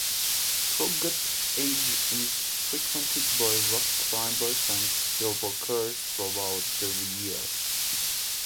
Froggatt Edge is frequented by rock climbers and hillwalkers throughout the year.